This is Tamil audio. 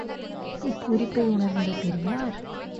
இக் குறிப்பை உணர்ந்த பெரியார்.